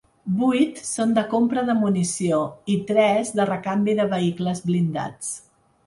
Vuit són de compra de munició i tres de recanvis de vehicles blindats.